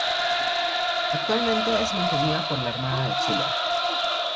Actualmente es mantenida por la Armada de Chile.